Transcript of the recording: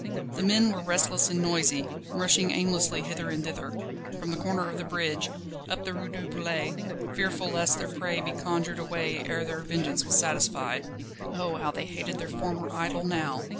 The men were restless and noisy, rushing aimlessly hither and thither, from the corner of the bridge, up the Rue du Palais, fearful lest their prey be conjured away ere their vengeance was satisfied. Oh, how they hated their former idol now!